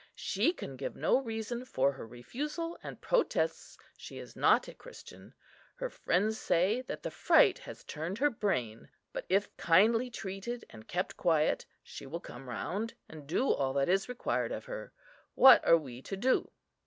She can give no reason for her refusal, and protests she is not a Christian. Her friends say that the fright has turned her brain, but that if kindly treated and kept quiet, she will come round, and do all that is required of her. What are we to do?